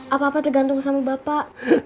apa apa tergantung sama bapak